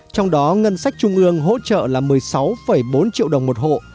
trong đó ngân sách trung ương hỗ trợ là một mươi sáu bốn triệu đồng một hộ